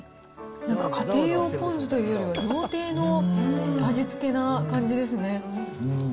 なんか家庭用ポン酢というよりは、料亭の味付けな感じですね。